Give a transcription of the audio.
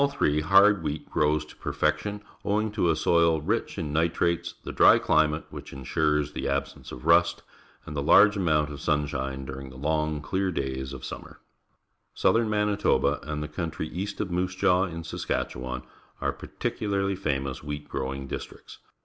There cattle, horses, and Binders at Work on the Prairie, Saskatchewan perfection, owing to a soil rich in nitrates, the dry cUmate, ^^ hich ensures the absence of rust, and the large amount of sunshine during the long, clear days of summer. Southern Manitoba and the country east of Moose Jaw in Saskatchewan are particularly famous wheat growing districts.